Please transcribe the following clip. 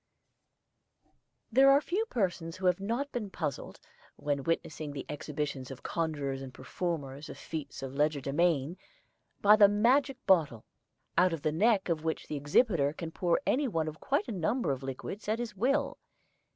There are few persons who have not been puzzled, when witnessing the exhibitions of conjurers and performers of feats of legerdemain, by the magic bottle, out of the neck of which the exhibitor can pour any one of quite a number of liquids at his will.